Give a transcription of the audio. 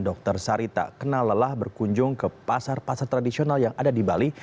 dokter sari tak kenal lelah berkunjung ke pasar pasar tradisional yang ada di bali